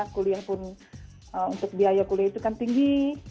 kuliah pun untuk biaya kuliah itu kan tinggi